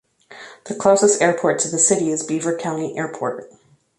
The closest airport to the city is Beaver County Airport.